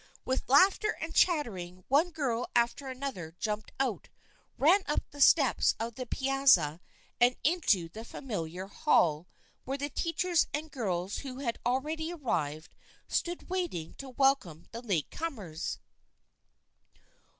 With laughter and chattering one girl after another jumped out, ran up the steps of the piazza and into the familiar hall where the teachers and the girls who had al ready arrived stood waiting to welcome the late comers.